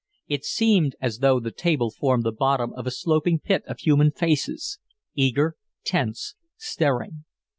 It seemed as though the table formed the bottom of a sloping pit of human faces eager, tense, staring.